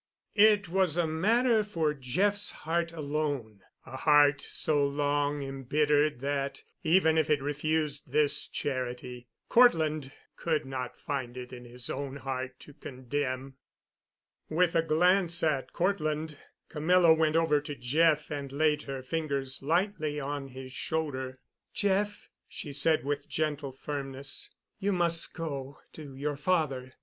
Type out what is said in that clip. It was a matter for Jeff's heart alone—a heart so long embittered that even if it refused this charity, Cortland could not find it in his own heart to condemn. With a glance at Cortland, Camilla went over to Jeff and laid her fingers lightly on his shoulder. "Jeff," she said with gentle firmness, "you must go—to your father."